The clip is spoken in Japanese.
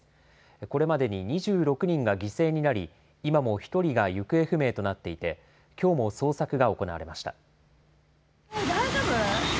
これまでに２６人が犠牲になり今も１人が行方不明となっていてきょうも捜索が行われました。